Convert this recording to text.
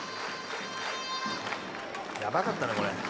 「やばかったなこれ。